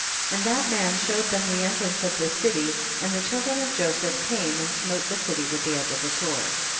10. And that man showed them the entrance of the city, and the child ren of Joseph came and smote the city with the edge of the sword.